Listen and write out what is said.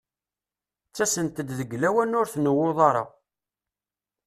Ttasent-d deg lawan ur tnewwuḍ ara.